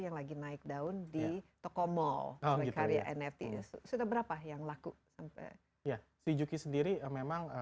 yang lagi naik daun di tokomol karya nfc sudah berapa yang laku sampai ya juki sendiri memang